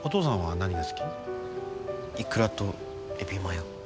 いくらとえびマヨ。